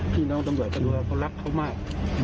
พี่น้องตำรวจตำรวจเขารักเขามาก